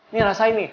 nih rasain nih